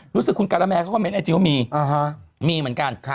รู้สึกคุณการาแมนเขาก็เน้นไอจีว่ามีมีเหมือนกัน